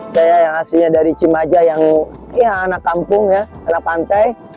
saya yang aslinya dari cimaja yang anak kampung ya anak pantai